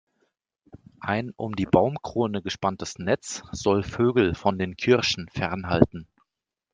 Ein um die Baumkrone gespanntes Netz soll Vögel von den Kirschen fernhalten.